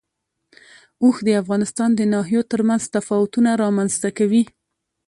اوښ د افغانستان د ناحیو ترمنځ تفاوتونه رامنځ ته کوي.